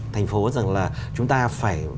thành phố rằng là chúng ta phải